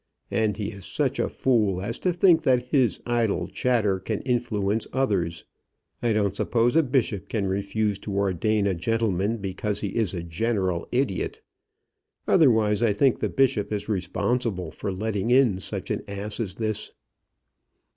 And he is such a fool as to think that his idle chatter can influence others. I don't suppose a bishop can refuse to ordain a gentleman because he is a general idiot. Otherwise I think the bishop is responsible for letting in such an ass as this."